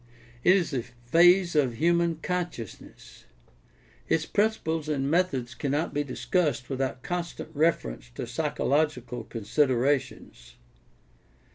It is a phase of human consciousness. Its principles and methods cannot be discussed without con stant reference to psychological considerations.